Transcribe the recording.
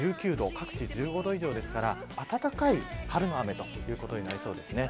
各地１５度以上ですから暖かい春の雨となりそうですね。